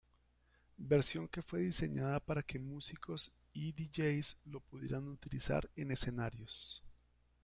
Versión que fue diseñada para que músicos i dj’s lo pudieran utilizar en escenarios.